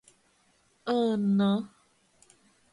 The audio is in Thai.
เออเนอะ